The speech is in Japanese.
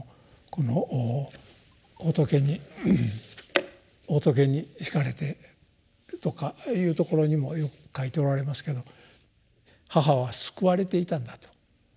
この「佛にひかれて」とかいうところにもよく書いておられますけど母は救われていたんだと。